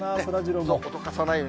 そう、おどかさないように。